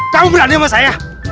kamu berani sama saya